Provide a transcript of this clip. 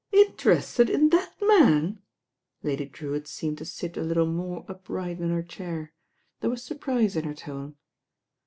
"Interested in that man I" Lady Drewitt seemed to sit a little more upright in her chair. There was surprise in her tone.